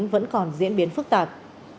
vẫn còn diễn biến phức tạp